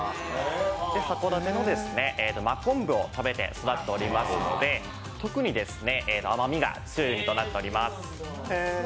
函館の真昆布を食べて育っていますので特に甘みが強いうにとなっております。